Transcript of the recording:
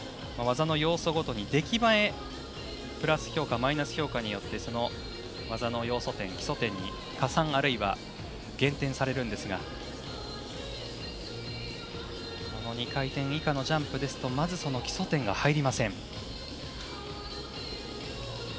技の要素ごとに出来栄えプラス評価、マイナス評価により技の要素点、基礎点に加算あるいは減点されるんですが２回転以下のジャンプですとまず、その基礎点が入りません。